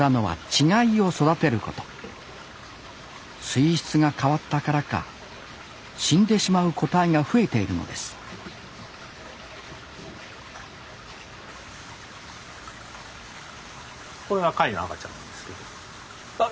水質が変わったからか死んでしまう個体が増えているのですこれが貝の赤ちゃんなんですけど。